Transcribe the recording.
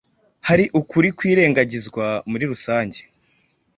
Hari ukuri kwirengagizwa muri rusange,